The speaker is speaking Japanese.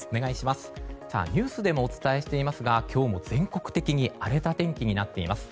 ニュースでもお伝えしていますが今日も全国的に荒れた天気になっています。